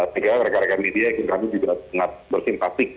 tiga rekan rekan media yang kami juga sangat bersimpatik